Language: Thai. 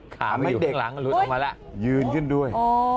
ขามให้เด็กลุดออกมาแล้วยืนด้วย